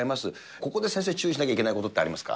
ここで先生、注視しなきゃいけないことってありますか？